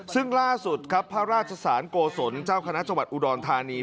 ซึ่งล่าสุดครับพระราชสารโกศลเจ้าคณะจังหวัดอุดรธานี